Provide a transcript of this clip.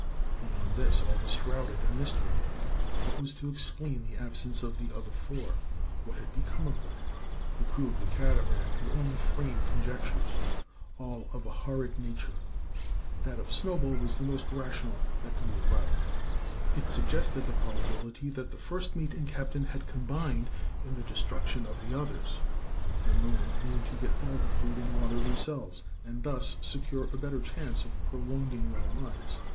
Beyond this all was shrouded in mystery. What was to explain the absence of the other four? What had become of them? The crew of the Catamaran could only frame conjectures, all of a horrid nature. That of Snowball was the most rational that could be arrived at. It suggested the probability that the first mate and captain had combined in the destruction of the others, their motive being to get all the food and water themselves, and thus secure a better chance of prolonging their lives.